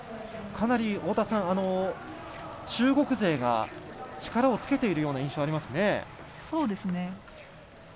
かなり中国勢が力をつけている印象ですね。